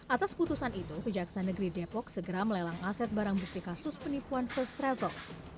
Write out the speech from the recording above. atas putusan itu kejaksaan negeri depok segera melelang aset barang bukti kasus penipuan first travel